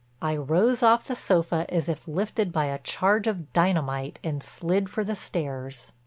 I rose off the sofa as if lifted by a charge of dynamite and slid for the stairs.